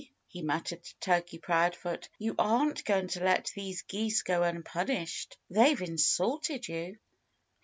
he muttered to Turkey Proudfoot, "you aren't going to let these geese go unpunished. They've insulted you."